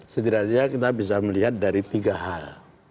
setidaknya kita bisa melihat dari tiga hal